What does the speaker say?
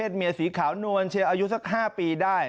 เผ็ดเมียสีขาวนวลเชียวอายุ๕ปีได้